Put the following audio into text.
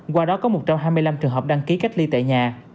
qua đó có một trăm hai mươi năm trường hợp đăng ký cách ly tại nhà